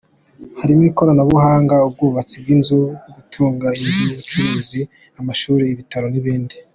Harimo ikoranabuhanga, ubwubatsi bw’inzu zo guturamo, inzu z’ubucuruzi, amashuri, ibitaro n’ibindi.